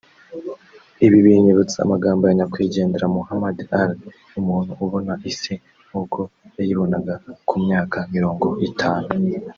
Ibi binyibutsa amagambo ya nyakwigendera Muhammad Ali; ‘‘Umuntu ubona isi nk’uko yayibonaga ku myaka mirongo itanu